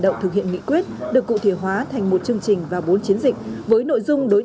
động thực hiện nghị quyết được cụ thể hóa thành một chương trình và bốn chiến dịch với nội dung đối